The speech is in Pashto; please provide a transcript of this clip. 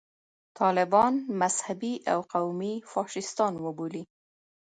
طالبان مذهبي او قومي فاشیستان وبولي.